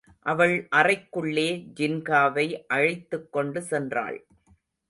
அவள் அறைக்குள்ளே ஜின்காவை அழைத்துக்கொண்டு சென்றாள்.